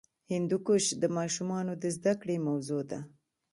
هندوکش د ماشومانو د زده کړې موضوع ده.